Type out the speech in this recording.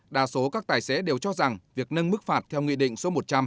đa số các tài xế đều cho rằng việc nâng mức phạt theo nghị định số một trăm linh